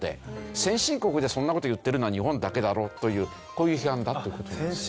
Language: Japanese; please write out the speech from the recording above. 先進国でそんな事言ってるのは日本だけだろうというこういう批判だという事です。